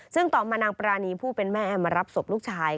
ซึ่งต่อมานางปรานีผู้เป็นแม่แอมมารับศพลูกชาย